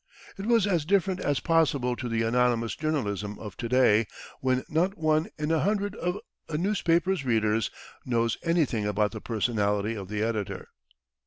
It was as different as possible to the anonymous journalism of to day, when not one in a hundred of a newspaper's readers knows anything about the personality of the editor.